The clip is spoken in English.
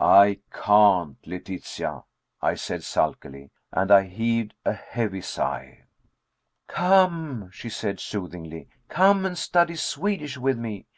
"I can't, Letitia," I said sulkily, and I heaved a heavy sigh. "Come," she said soothingly, "come and study Swedish with me.